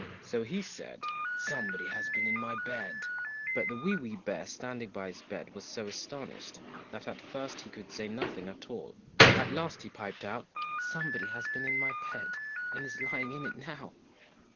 So he said 'SOMEBODY HAS BEEN IN MY BED!' But the WEE WEE BEAR standing by his bed was so astonished that at first he could say nothing at all. At last he piped out 'SOMEBODY HAS BEEN IN MY BED AND IS LYING IN IT NOW!